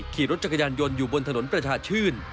ขี่รถจักรยานยนต์อยู่บนถนนประชาชื่น